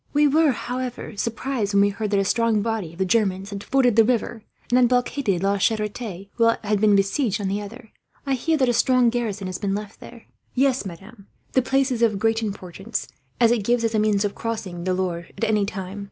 "We were, however, surprised when we heard that a strong body of the Germans had forded the river; and had blockaded La Charite on this side, while it had been besieged on the other. I hear that a strong garrison has been left there." "Yes, madam. The place is of great importance, as it gives us a means of crossing the Loire at any time.